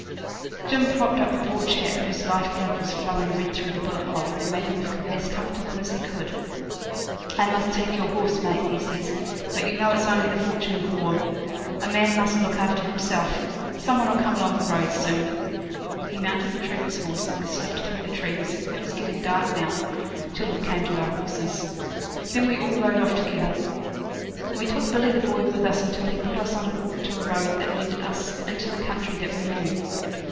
Jim propped up the poor chap, whose life blood was flowing red through the bullet hole, and made him as comfortable as he could. 'I must take your horse, mate,' he says; 'but you know it's only the fortune of war. A man must look after himself. Some one'll come along the road soon.' He mounted the trooper's horse, and we slipped through the trees it was getting dark now till we came to our horses. Then we all rode off together. We took Billy the Boy with us until he put us on to a road that led us into the country that we knew.